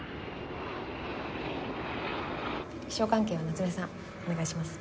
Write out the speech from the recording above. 気象関係は夏目さんお願いします。